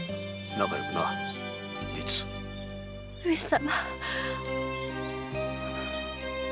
上様。